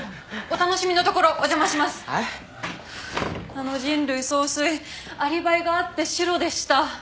あの人類総帥アリバイがあってシロでした。